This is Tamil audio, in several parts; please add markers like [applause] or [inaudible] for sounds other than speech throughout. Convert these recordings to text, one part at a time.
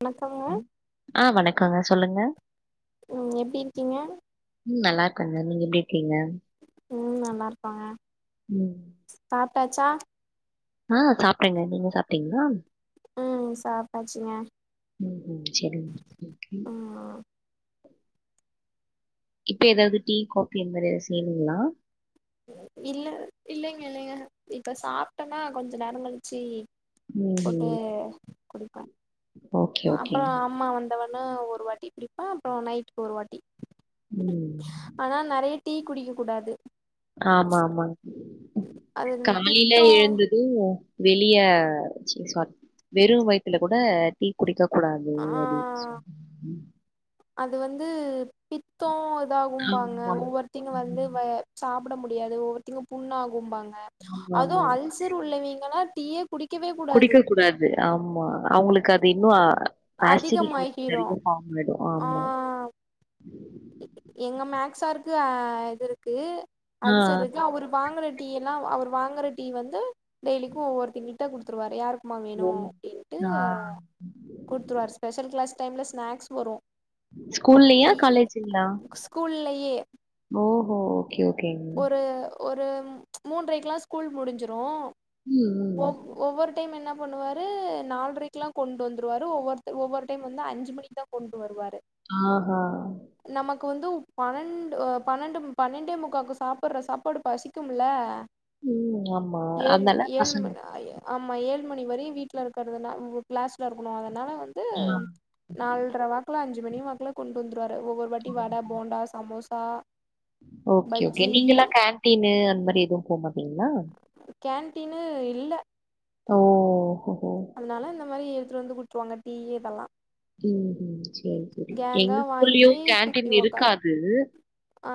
வணக்கங்க ம் ஆ வணக்கங்க சொல்லுங்க ம் எப்டி இருக்கீங்க ம் நல்லாருக்கங்க நீங்க எப்டிருக்கீங்க ம் நல்லா இருக்கங்க ம் சாப்ட்டாச்சா ஆ சாப்டெங்க நீங்க சாப்ட்டீங்ளா ம் சாப்டாச்சுங்க ம்ஹும் சரிங்க ஓகே ம்மா இப்ப ஏதாவ்து டீ காபி அந் மாரி ஏதாவ்து செய்ணுங்ளா இல்ல இல்லைங்க இல்லைங்க இப்ப சாப்ட்டனா கொஞ்ச நேரங்கழிச்சி போட்டு ம்ஹும் குடிப்பே ஓகே அப்றோ ஓகேங்க அம்மா வந்தவொன்ன ஒரு வாட்டி குடிப்ப அப்புறோ நைட்டுக்கு ஒரு வாட்டி ம் ஆனா நெறைய டீ குடிக்க கூடாது ஆமா ஆமா அது காலைல பித்தோ எழுந்து வெளிய ச்சி சார் வெறு வய்த்ல கூட டீ குடிக்க கூடாது ஆ அப்டின் சொல் அது வந்து பித்தோ இதாகும்பாங்க ஆமா ஒவ்வொருத்திங்க வந்து ம் வ சாப்பிட முடியாது ஒவ்வொருத்திங்க புண்ணாகும்பாங்க ஆமா அதுவு ஆமா அல்சர் உள்ளவீங்கள்லா டீயெ குடிக்கவே கூ குடிக்க கூடாது ஆமா அவுங்களுக்கு அது இன்னு ஆசிடிட்டி அதிகமாகிரு நெறய ஃபார்ம் ஆய்டு ஆ ஆமா எங்க மேக்ஸார்க்கு இது இருக்கு ஆ அல்சர் இருக்கு அவ்ரு வாங்கற டீ எல்லா அவர் வாங்குற டீ வந்து டெய்லிக்கு ஒவ்வொருத்திங்கிட்ட குடுத்துருவாரு யாருக்கு மா ஓ! வேணு அப்டின்ட்டு ஆ குடுத்துருவார் ஸ்பெஷல் க்ளாஸ் டைம்ல ஸ்நாக்ஸ் வரு ஸ்கூல்லயா டீ காலேஜ்ஜிலயா ஸ்கூல்லயே ஓஹோ ஓகே, ஓகேங்க. ஒரு ஒரு மூன்றைக்லா ஸ்கூல் முடிஞ்சிரு ம், ம். ஒவ்வொரு டைம் என்ன பண்ணுவாரு நால்ரைக்லா கொண்டு வந்துருவாரு ஒவ்வொருத்தரு ஒவ்வொரு டைம் வந்து அஞ்சி மணிக்கிதா கொண்டு வருவாரு ஆஹா நமக்கு வந்து பன்னெண்டு பன்னெண்டு பன்னெண்டே முக்காக்கு சாப்பட்ற சாப்பாடு பசிக்குமுல்ல ம் ஆமா அத்னால ஏழ் மண் ஆமா ஏழு மணி வரையு வீட்ல இருக்கிறதுனால க்ளாஸ்ல இருக்கணு அதனால வந்து [unintelligible] நால்ர வாக்குல அஞ்சு மணி வாக்குல கொண்டு வந்துருவாரு ஒவ்வொரு வாட்டி வட போண்டா சமோசா ஓகே ஓகே பஜ்ஜி நீங்கெல்லா கேன்டீனு அந்த மாரி எதுவு போ மாட்டீங்ளா கேன்டீனு இல்ல ஓ ஹொஹொ அதனால இந்த மாரி எடுத்துட்டு வந்து குடுத்துருவாங்க டீ இதெல்லா ம் செரி செரி கேங்கா எங்க ஸ்கூல்லயு வாங்கி சுத்தி கேன்டீன் ஒக்காந் இருக்காது ஆ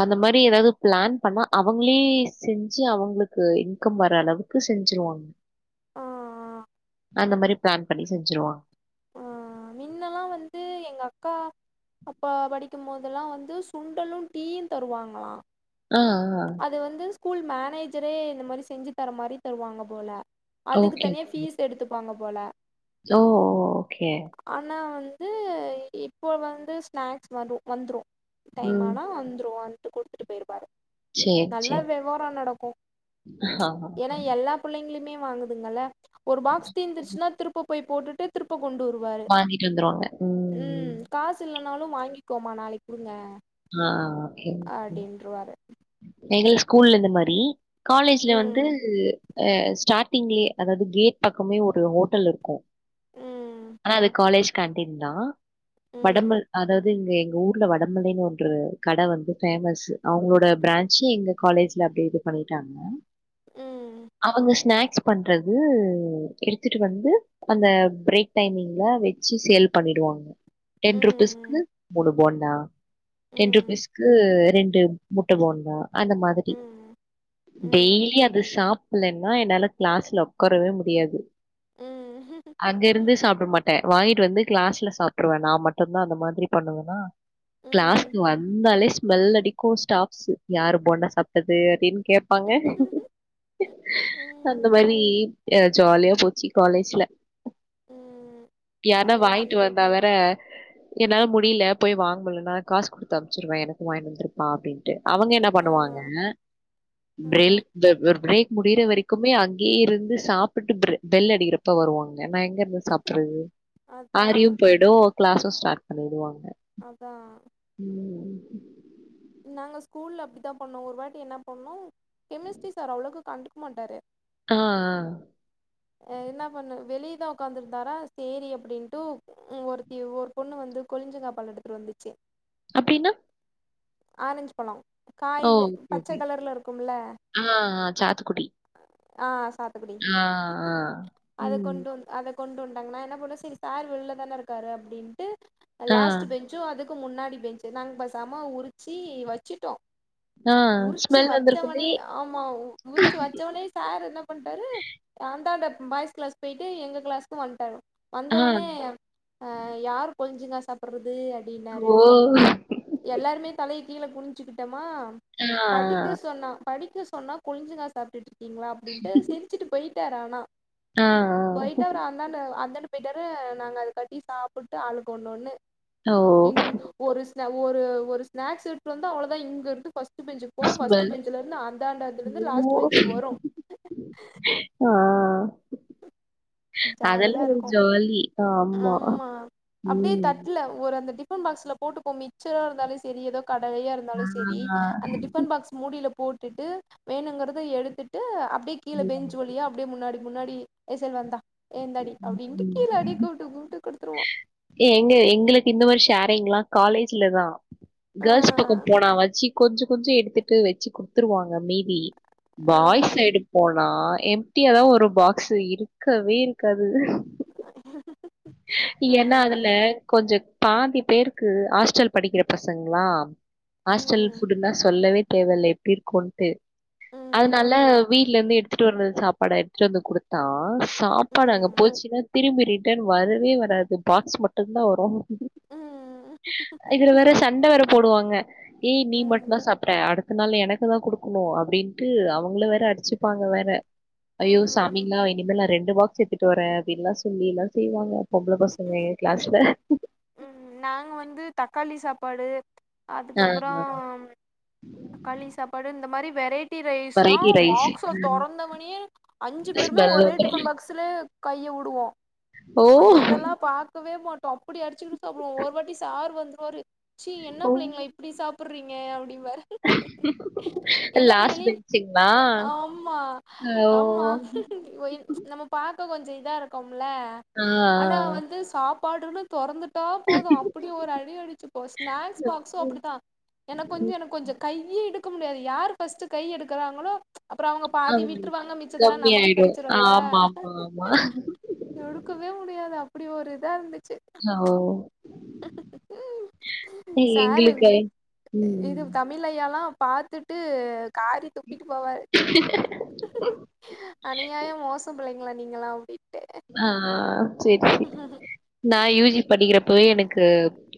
அந்த மாரி எதாவது ப்ளான் பண்ணா அவங்ளே செஞ்சு அவங்களுக்கு இன்கம் வர அளவுக்கு செஞ்சிருவாங் [inaudible] ஆ அந்த மாரி ப்ளான் பண்ணி செஞ்சிருவாங் ஓ மின்னெல்லா வந்து எங்க அக்கா அப்பா படிக்கும்போதெல்லா வந்து சுண்டலு டீயு தருவாங்களா ஆ அது வந்து ஸ்கூல் மேனேஜரே இந்த மாரி செஞ்சு தர மாரி தருவாங்க போல அதுக்கு ஓகே. தனியா ஃபீஸ் எடுத்துப்பாங்க போல ஓ ஓ ஓகே ஆனா வந்து இப்போ வந்து ஸ்நாக்ஸ் வரும் வந்துரு டைம் ம். ஆனா வந்துரு வந்துட்டு குடுத்துட்டு போயிருவாரு சரி, சரி. நல்லா வியாபாரம் நடக்கும் ஆமா. ஏன்னா எல்லாப் புள்ளைங்ளுமே வாங்குதுங்கள ஒரு பாக்ஸ் தீர்ந்துடுச்சுன்னா திருப்ப போய் போட்டுட்டு திருப்ப கொண்டு வரு வாங்கிட்டு வந்துருவாங்க ம். உம் காசு இல்லனாலு வாங்கிக்கோமா நாளைக்கு குடுங்க ஆ அப்டின்றுவாரு எங்கல ஸ்கூல்ல இந் இந்த மாரி காலேஜ்ல வந்து ம் அ ஸ்டார்ட்டிங்லயே அதாவது கேட் பக்கமே ஒரு ஹோட்டல் இருக்கு ம் ஆனா அது காலேஜ் கேன்டீன்தா படம்ப ம் அதா தங்க எங்க ஊர்ல வடமலைன்னு ஒன்ற கட வந்து பேமஸ் அவங்களோட பிரான்சு எங்க காலேஜ்ல அப்டியே இது பண்ணிட்டாங்க ம் அவங்க ஸ்நாக்ஸ் பண்றது எடுத்துட்டு வந்து அந்த பிரேக் டைமிங்ல வெச்சு சேல் பண்ணிடுவாங்க டென் ருபீஸ்கு ம் மூணு போண்டா ம் டென் ம் ருபீஸ்கு ரெண்டு மு ட்ட போண்டா அந்த மாதிரி ம் டெய்லி ம் அது சாப்பலன்னா என்னால கிளாஸ்ல ஒக்கரவே முடியாது உம் அங்க இருந்து சாப்ட மாட்ட வாங்கிட்டு வந்து கிளாஸ்ல சாப்பிடுவே நா மட்டுதா அந்த மாதிரி பண்ணுவன்னா ம் கிளாஸ்க்கு வந்தாலே ஸ்மெல் அடிக்கு ஸ்டாப்சு யாரு போண்டா சாப்டது அப்டின் கேப்பாங்க அந்த ம் மாரி ஏ ஜாலியா போச்சு காலேஜ்ல ம் யார்னா காலேஜு வாங்கிட்டு வந் தவர என்னால முடியல போய் வாங்கலனா காசுகுடுத்து அம்ச்சுடுவே எனக்கு வாங்கின் வந்துருப்பா அப்டின் டு அவங்க என்ன ஆ பண்ணுவாங்க ஆ பிரெல் பிரேக் முடிற வரைக்குமே அங்யே இருந்து சாப்பிட்டு பெல் அடிக்கிறப் ப வருவாங்க நா எங்க [unintelligible] சாப்ட்டுறது அதா ஆரியு போயிடு கிளாஸு ஸ்டார்ட் பண்ணிடுவாங்க அதா ம் நாங்க ஸ்கூல்ல அப்டிதா பண்ணோ ஒரு வாட்டி என்ன பண்ணோ கெமிஸ்ட்ரி சார் அவ்ளோக்கு கண்டுக்க மாட்டாரு ஆ ஆ என்ன பண்ணொ வெளியதா ஒக்காந்துருந்தாரா சேரி அப்டின்ட்டு ம் ஒருத்தி ஒரு பொண்ணு வந்து கொழிஞ்சங்கா பால் எடத்துட்டு வந்துச்சு அப்டின்னா ஆரஞ்ச் பழொ ஓ காய்ல ஓகே பச்ச ஓகே கலர்ல இருக்கும்ல ஆ ஆ சாத்துக்குடி ஆ சாத்துகுடி ஆ ஆ அத ம் கொண்டு வந்து அத கொண்டு வந்ட்டாங்க நா என்ன பண்ணுவே செரி சார் வெள்ல தான இருக்காரு அப்டின்ட்டு அ ஆ லாஸ்ட்டு பெஞ்சு அதுக்கு முன்னாடி பெஞ்சு நாங்க பெசாம உரிச்சி வச்சுட்டோ ஆ உறுச்சு ஸ்மெல் வச்சொவனே வந்திருக்குமே ஆமா உறுச்சு வச்சொனே சார் என்ன பண்ட்டாரு அந்தாண்ட பாய்ஸ் கிளாஸ் பொயிட்டு எங்க கிளாஸ்க்கு வந்ட்டாரு ஆ வந்தவொனே அ யாரு கொழிஞ்சுங்கா சாப்புடுறது அப்டின்னாரு ஓ எல்லாருமே தலைய கீழ குனுஞ்சுக்கிட்டமா ஆ ஆ படிக்க சொன்னா படிக்க சொன்னா கொழிஞ்சுங்கா சாப்ட்டுட்டு இருக்கீங்களா அப்டின்டு சிரிச்சுட்டு பொயிட்டாரு ஆனா ஆ போயட்டு அவர் அந்த அந்தாண்ட அந்தாண்ட பொய்ட்டாரு நாங்க அது காட்டி சாப்புட்டு ஆளுக்கு ஒன்னொன்னு ஆ ஓ எங்க ஒரு ஸ்ந ஒரு ஸ்நாக்ஸ் எட்டு வந்தா அவ்ளோதா இங்க இருந்து ஃபஸ் ட்டு பெஞ்சுக் போகு ஃபஸ்டு ஸ்மெல் பெஞ்சுல இருந்து அந்தாண்ட அதுல இருந்து ஓ லாஸ்ட்டு பெஞ்சுக்கு வரு ஆ அதெல்லா ஜாலியா ஒரு இருக்கு ஜாலி ஆமா அப்டியே ம். தட்டுல ஒரு அந்த டிப் பன் பாக்ஸ்ல போட்டுப்போ மிச்சரா இருந்தாலு செரி எதோ கடலையா இருந்தாலு ஆ. செரி அந்த டிஃபன் பாக்ஸ் மூடில போட் ட்டுட்டு வேணுங்குறத எடுத்துட்டு அப்டியே கீழ பெஞ்சு வழியா அப்டியே முன்னாடி முன்னாடி ஏ செல்வா இந்தா ஏ இந்தாடி அப்டின்ட்டு ம். கீழ அப்டி கூப்ட்டு கூப்ட்டு குடுத்துருவோ ஏ எங்க எங்ளுக்கு இந்த மாரி ஷேரிங்ளா காலேஜ்லதா கேள்ஸ் பக்கொ ஆ போனாவாச்சி கொஞ்சொ கொஞ்சொ எடுத்துட்டு வச்சு குடுத்துருவாங்க மீதி பாய்ஸ் ஆ சைடு போனா எம் ட்டியா தா வரு பாக்ஸு இருக்கவே இருக்காது ஆ ஏன்னா அதுல கொஞ்சொ பாதி பேருக்கு ஹாஸ்டல் படிக்கிற பசங்களா ஹாஸ்டல் ம் ஃபுட்டுனா சொல்லவே தேவெல்ல எப்டி இருக்குன்ட்டு ம் ம் அதுனால வீட்ல இருந்து எடுத்துட்டு வர்றது சாப்பாட எடுத்துட்டு வந்து குடுத்தா சாப்பாடு அங்க ம் போச்சுன்னா திரும்பி ரிட்டன் வரவே வராது பாக்ஸ் மட்டந்தா வரு ம் இதுல வேற சண்ட வேற போடுவாங்க ஏய் நீ மட்டு தா சாப்ட அடுத் த நாளு எனக்கு தா குடுக்கணு அப்டின்ட்டு அவுங்கள வேற அடுச்சுப்பாங்க வேற ஐயோ ம் சாமிங்ளா இனிமே நா ரெண்டு பாக்ஸ் எட்துட்டு வரே அப்டின்ல்லா சொல்லில்லா செய்வாங்க பொம்ள பசங்க எங்க கிளாஸ்ல ம் நாங்க வந்து தக்காளி சாப்பாடு அ அ அதுக்கப்புறோ தக்காளி சாப்பாடு இந்த மாரி வெரைட் ட்டி ரைஸ்னா வெரைட்டி ரைஸ் பாக்ஸ தொறந்தவுனயே அஞ்சு பேருமே ஸ்மெல் ஒரே வந்துரு டிஃபன் பாக்ஸ் த்துலே கைய வுடுவோ ஓ அந்த இதெல்லா பாக்கவே மாட்டோ அப்பிடி அடிச்சிகுனு சாப்பிடுவோ ஒரு வாட்டி சாரு வந்துருவாரு சீ என்ன ஓ பிள்ளைங்களா இப்டி சாப்புறீங்க அப்டின்வாரு ஏனா லாஸ்ட் வெளிய பெஞ்சுங்களா ஆமா ஓ ஆமா வயிறு நம்ம பாக்க கொஞ்சோ இதா இருக்கோம்ல ஆ ஆனா ஆ வந்து சாப்பாடுன்னு தொறந்துட் டா போது அப்பிடி ஒரு அடி அடிச்சுப்போ ஸ்நாக்ஸ் பாக்ஸு அப்பிடித்தா எனக் கொஞ்சோ எனக் கொஞ்சௌ கையே எடுக்க முடியாது யாரு ஃபஸ்ட்டு கை எடுக்றாங்களோ அப்புறோ அவங்க பாதி ஆமா விட்டுருவாங்க மிச்சதெல்லா நமக் கம்மியாயிடு கெடச்சிருல ஆமா ஆமா ஆமா எடுக்கவே முடியாது அப்பிடி ஒரு இதா இருந்துச்சு அ ஓ சாரு எங்களுக்கு ம் இது ம் தமிழ் ஐய்யால்லா பாத்துட்டு காரி துப்பிட்டு போவாரு அநியாயோ மோசம் பிள்ளைங்ளா நீங்களி அப்டின்ட்டு ஆ ஆ செரி ம்கூகூம் நா யூ ஜி படிக்கிறப்பவே எனக்கு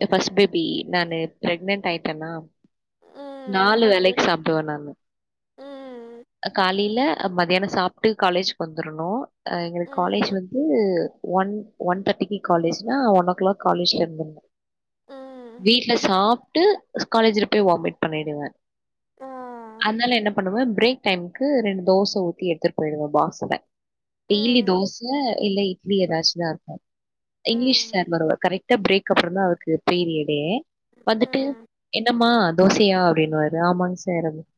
அ ஃபஸ்ட் பேபி நானு ப்ரெக்னென்ட் ஆய்ட்டேனா ம் நாலு வேலைக் சாப்டுவ நானு ம் காலில மத்தியான சாப்ட்டு காலேஜ்க்கு வந்துரணு அ எங்களுக் காலேஜ் ம் வந்து ஒன் ஒன் தேர்டிக்கு காலேஜ்னா ஒன் ஓ கிளாக் காலேஜ்ல இருந்துன்னோ ம் வீட்ல சாப்ட்டு காலேஜ்ல போய் வாமிட் பண்ணிடுவே ஆ அத்னால என்ன பண்ணுவ பிரேக் டைமுக்கு ரெண்டு தோச ஊத்தி எடுத்துற் போயிடு பாஸ்ஸுல டெய்லி ம் தோச இல்ல இட்லி எதாச்சுதா இருக்கு இங்க்லீஷ் ம் சார் வருவாரு கரெக் ட்டா பிரேக் அப்புறோந்தா அவருக்கு பீரியடே வந்துட்டு ம் என்னம்மா தோசையா அப்டின்வாரு ஆமாங் சார் அப்டின்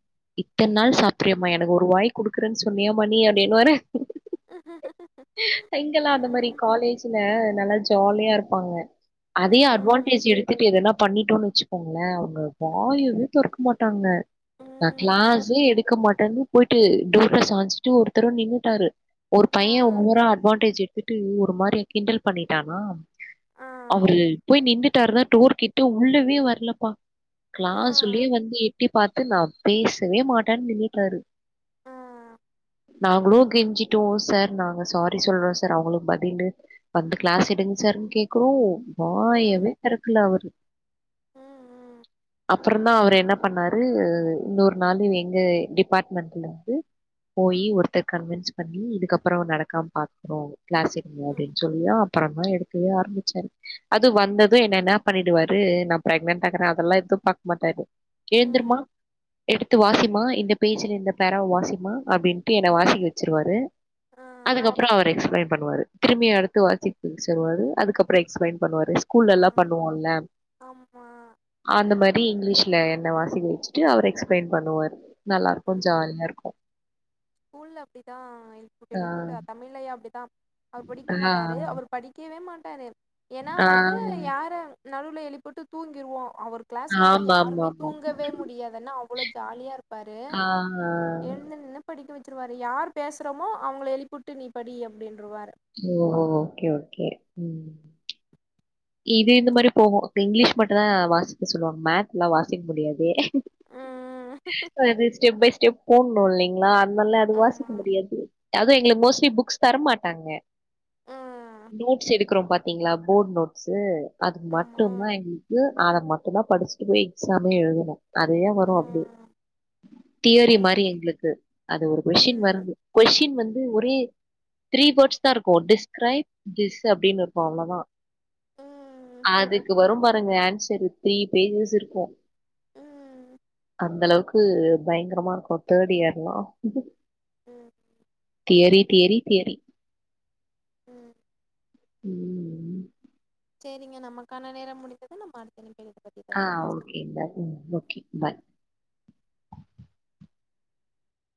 இத்தன்நாள் சாப்ரியேமா எனக்கு ஒரு வாய் குடுக்குறேன் சொன்னியாமா நீ அப்டின்வாரு அ இங்கெல்லா அந்த மாரி ம் காலேஜில நல்லா ஜாலியா இருப்பாங்க அதயே ம் அட்வான்டேஜ் எடுத்துட்டு எதனா பண்ணிட்டோன்னு வெச் கோங்ளே அவுங்க வாயவே தொறக்க மாட்டாங்க நா ம் க்ளாஸே எடுக்க மாட்டனு போயிட்டு டோர்ல சாஞ்சிட்டு ஒருத்தரவ நின்னுட்டாரு ஒரு ஆ பைய ஓவரா அட்வான்டேஜ் எடுத்துட்டு ஒரு மாரி கிண்டல் பண்ணிட்டானா ஆ அவரு போய் நின்னு ட்டாரு டோரு கிட்ட உள்ளவே வரலப்பா ஆ க்ளாஸ் உள்ளயே வந்து எட்டி பாத்து நா பேசவே மாட்டன் நின்னுடாரு ஆ நாங்களு கெஞ்சிட்டோ சார் நாங்க சாரி சொல்றோ சார் அவுங்களுக்கு பதிலு வந்து க்ளாஸ் எடுங் சார்ருன்னு கேக்குறோ ம் வாயவே தெறக்கல அவரு ம் அப்புறந்தா அவர் என்ன பண்ணாரு அ இன்னொரு நாளு எங்க டிபாட்மெண்ட்லந்து போயி ஒருத்தர் கன்வென்ஸ் பண்ணி இதுக்கப்புறோ நடக்காம் பாத்துக்குறோ க்ளாஸ் எடுக்க ம் அப்டின் சொல்லி அப்பறந்தா எடுக்கவே ஆரம்பிச்சாரு அது வந்தது என்ன என்ன பண்ணிடுவாரு நா ப்ரெக்னன்டாகிறே அதெல்லா எது பாக் மாட்டாரு ம் ஏந்திருமா எடுத்து வாசிமா இந்த பேஜுல இந்த பேராவ வாசிமா அப்டின்ட்டு என்ன வாசிக்க வெச்சிருவாரு ஆ அதுக்கப் எக்ஸ்பளைன் பண்ணுவாரு திரும்மியு அடுத்து வாசிக்க சொல்வாரு அதுக்கப்பற எக்ஸ்பளைன் பண்ணுவாரு ஸ்கூல்ல ஆ எல்லா பண்ணுவோம்ல ஆமா அந்த மாதிரி இங்கிலீஷ்ல என்ன வாசிக்க வச்சுட்டு அவரு எக்ஸ்பிளைன் பண்ணுவாரு நல்லா இருக்கும் ம் ஜாலியா இருக்கும் ஸ்கூல்ல அப்டிதா எழுப்புட்டு ஆ எழுப்புட்டு தமிழ் ஐயா அப்டிதா அவர் படிக்க ஆ மாட்டாரு அவர் படிக்கவே மாட்டாரு ஏன்னா வந்து ஆ யார நடுவில் எழுப்புட்டு தூங்கிடுவோ அவரு கிளாஸ்ல ஆனா யாருமே ஆமாமாமா. தூங்கவே முடியாது ஏன்னா அவ்வள ஜாலியா இருப்பாரு ஆ. எழுந்து நின்னு படிக்க வச்சருவாரு யார் பேசுறோமோ அவங்கள எழுப்பிட்டு நீ படி அப்டின்றுவாரு ஓ ஓகே ஓகே ம் இது இந்த மாதிரி போகு இப்ப இங்கிலீஷ் மட்டுதா வாசிக்க சொல்லுவாங்க மேத் எல்லா வாசிக்க முடியாது ம் அது ஸ்டெப் பை ஸ்டெப் போடணும் இல்லிங்களா அதனால அது வாசிக்க ஆமா முடியாது அதுவும் எங்களுக்கு மோஸ்ட்லி புக்ஸ் தரமாட்டாங்க ம் நோட்ஸ் எடுக்கிறோ பாத்தீங்களா போர்ட் நோட்ஸு அதுக்கு ஆமா மட்டும்தா எங்களுக்கு அத மட்டுும் தா படிச்சுட்டு போய் எக்ஸாமே எழுதுனு நெறைய வரு அப்டி ம் தியரி ம் மாதிரி எங்களுக்கு அது ஒரு கொஸ்டின் ம் வருது கொஸின் வந்து ஒரே த்ரீ வேர்ட்ஸ் தா இருக்கும் டிஸ்கிரைப் தீஸ் அப்டின்னு இருக்கும் அவ்வளோதா ம் அதுக்கு வரு பாருங்க ஆன்சர் த்ரீ பேஜஸ் இருக்கும் ம் அந்த அளவுக்கு பயங்கரமா இருக்கும் தேர்ட் இயர்லா ம் தியரி தியரி தியரி ம் ம் சேரிங்க நமக்கான நேர முடிந்தது நம்ம அடுத்த இனைப்பு ஆ ஓகேங்க ம் ஓகே பாய்